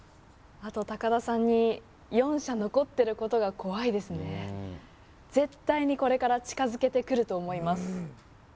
あと高田さんに４射残ってることが怖いですね絶対にこれから近づけてくると思います